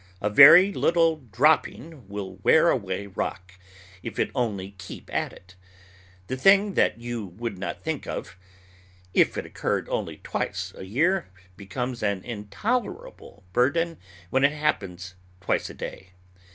A very little dropping will wear away rock, if it only keep at it. The thing that you would not think of, if it occurred only twice a year, becomes an intolerable burden when it happens twice a day.